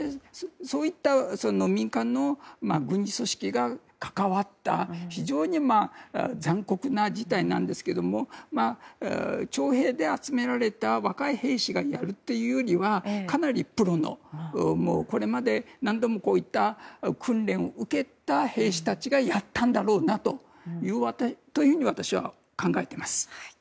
そういった民間の軍事組織が関わった非常に残酷な事態なんですけれども徴兵で集められた若い兵士がやるというよりはかなりプロの、これまで何度もこういった訓練を受けた兵士たちがやったんだろうなと私は考えています。